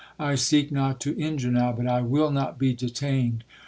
—I seek not to injure now—but I will not be detained.